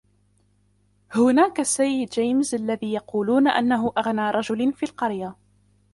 هناك السيد جيمس الذي يقولون أنه أغنى رجل في القرية.